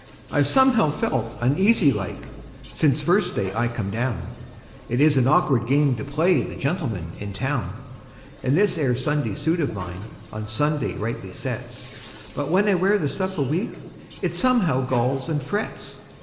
I've somehow felt uneasy like, since first day I come down; It is an awkward game to play the gentleman in town; And this 'ere Sunday suit of mine on Sunday rightly sets; But when I wear the stuff a week, it somehow galls and frets.